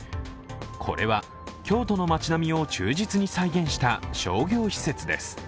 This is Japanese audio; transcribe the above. これは京都の街並みを忠実に再現した商業施設です。